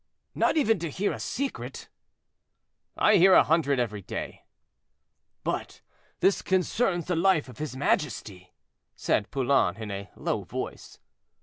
"Not even to hear a secret?" "I hear a hundred every day." "But this concerns the life of his majesty," said Poulain, in a low voice.